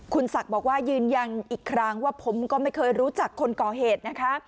คุณศักดิ์บอกว่ายืนยันอีกครั้งว่าผมก็ไม่เคยรู้จักคนก่อเหตุนะคะ